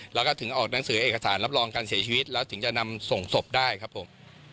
แล้วก็ถึงออกหนังสือเอกสารรับรองการเสียชีวิตแล้วถึงจะนำส่งศพได้ครับผม